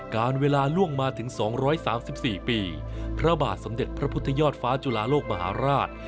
การเวลาล่วงมาถึง๒๓๔ปีพระบาทสมเด็จพระพุทธยอดฟ้าจุฬาโลกมหาราช